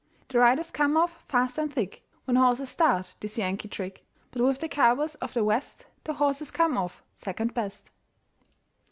The riders come off fast and thick When horses start this Yankee trick. But with the cowboys of the West The horses come off second best.